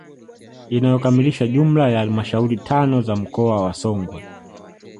Inayokamilisha jumla ya halmashauri tano za mkoa wa Songwe